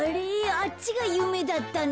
あっちがゆめだったの？